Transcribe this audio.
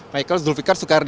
michael zulfikar soekardi